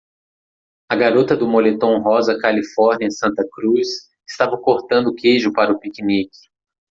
A garota do moletom rosa Califórnia Santa Cruz estava cortando queijo para o piquenique.